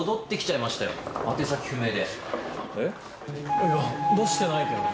いや出してないけど。